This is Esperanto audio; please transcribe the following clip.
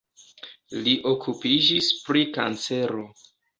Li okupiĝis pri kancero.